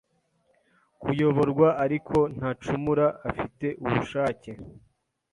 "kuyoborwa ariko ntacumura afite ubushake